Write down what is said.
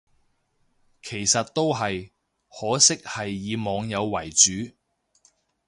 其實都係，可惜係以網友為主